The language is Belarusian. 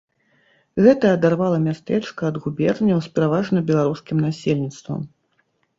Гэта адарвала мястэчка ад губерняў з пераважна беларускім насельніцтвам.